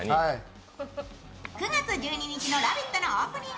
９月１２日の「ラヴィット！」のオープニング。